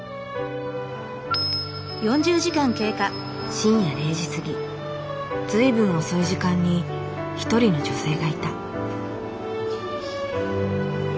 深夜０時過ぎ随分遅い時間に一人の女性がいた。